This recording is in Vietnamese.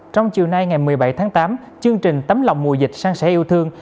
trong chiều nay ngày một mươi bảy tháng tám chương trình tấm lòng mùa dịch sang sẻ yêu thương